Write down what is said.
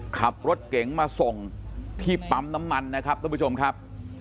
ขับรถเก๋งมาส่งที่ปั๊มน้ำมันนะครับท่านผู้ชมครับ